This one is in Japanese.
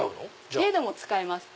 家でも使えます。